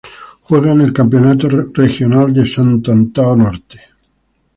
Juega en el campeonato regional de Santo Antão Norte.